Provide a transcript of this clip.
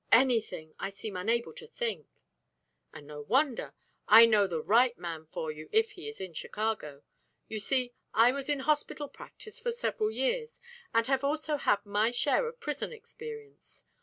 "Anything. I seem unable to think." "And no wonder! I know the right man for you if he is in Chicago. You see, I was in hospital practice for several years, and have also had my share of prison experience.